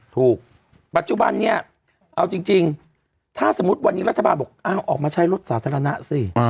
ปัจจุบันนี้เอาจริงถ้าสมมุติวันนี้รัฐบาลบอกออกมาใช้รถสาธารณะสิ